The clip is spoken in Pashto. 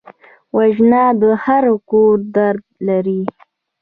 وژنه د هر کور درد دی